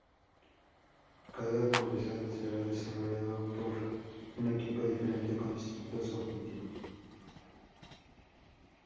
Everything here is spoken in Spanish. Cada CubeSat será desarrollado por un equipo diferente con distintos objetivos.